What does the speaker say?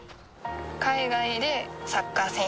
海外でサッカー選手になる